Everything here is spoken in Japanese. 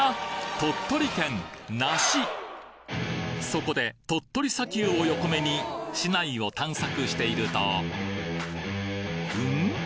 そこで鳥取砂丘を横目に市内を探索しているとうん？